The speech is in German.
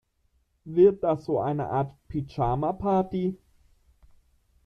Wird das so eine Art Pyjama-Party?